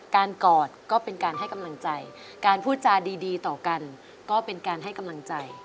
กอดก็เป็นการให้กำลังใจการพูดจาดีต่อกันก็เป็นการให้กำลังใจ